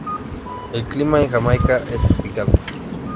El clima en Jamaica es tropical.